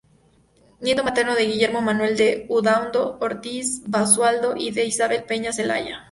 Nieto materno de Guillermo Manuel de Udaondo Ortiz Basualdo y de Isabel Peña Zelaya.